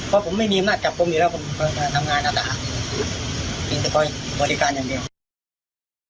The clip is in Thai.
เพราะผมไม่มีอำนาจกลับกลุ่มอยู่แล้วผมอ่าทำงานอาจารย์